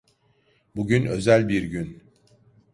Bugün özel bir gün.